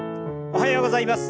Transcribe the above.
おはようございます。